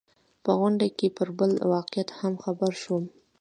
په غونډه کې پر بل واقعیت هم خبر شوم.